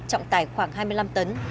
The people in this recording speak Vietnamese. trọng tải khoảng hai mươi năm tấn